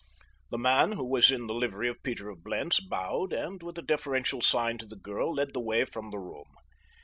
The man, who was in the livery of Peter of Blentz, bowed, and with a deferential sign to the girl led the way from the room.